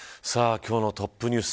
今日のトップニュース